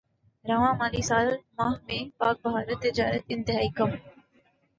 رواں مالی سال ماہ میں پاکبھارت تجارت انتہائی کم